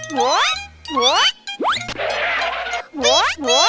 เหี๊ยดกลืบ